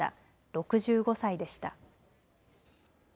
６５歳でした。